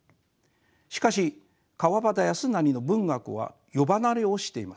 しかし川端康成の文学は世離れをしています。